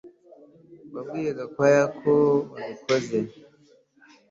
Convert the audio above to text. Wabwiye Gakwaya ko wabikoze